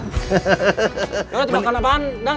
tebak tebakan apaan dang